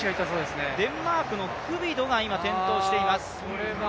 デンマークのフビドが転倒しています。